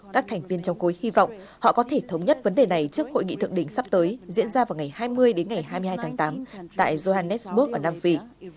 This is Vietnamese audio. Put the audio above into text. các thành viên trong cối hy vọng họ có thể thống nhất vấn đề này trước hội nghị thượng đỉnh sắp tới diễn ra vào ngày hai mươi đến ngày hai mươi hai tháng tám tại johannesburg ở nam phi